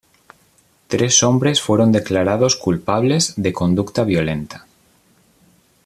Tres hombres fueron declarados culpables de conducta violenta.